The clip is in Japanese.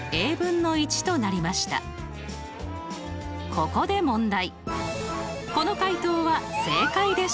ここで問題。